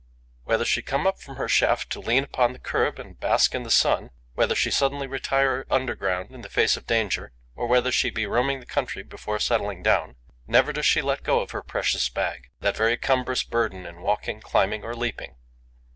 Whether she come up from her shaft to lean upon the kerb and bask in the sun, whether she suddenly retire underground in the face of danger, or whether she be roaming the country before settling down, never does she let go her precious bag, that very cumbrous burden in walking, climbing or leaping.